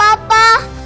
dan aku punya papa